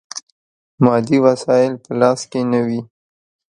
مادي وسایل په لاس کې نه وي.